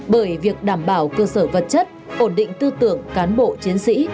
bởi việc đảm bảo cơ sở vật chất ổn định tư tưởng cán bộ chiến sĩ